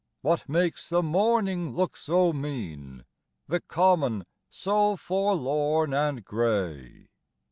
What makes the morning look so mean, The Common so forlorn and gray?